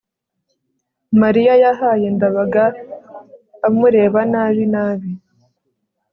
mariya yahaye ndabaga amureba nabi nabi